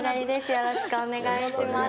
よろしくお願いします。